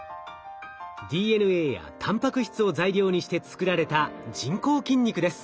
ＤＮＡやたんぱく質を材料にして作られた人工筋肉です。